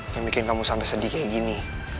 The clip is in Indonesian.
yang bikin kamu sampai sedih kayak gini